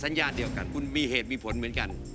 สัญญาเดียวกันคุณมีเหตุมีผลเหมือนกัน